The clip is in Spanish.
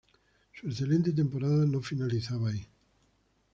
Su excelente temporada no finalizaba ahí.